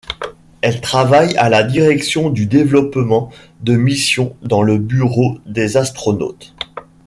Elle travaille à la Direction du développement de missions dans le Bureau des astronautes.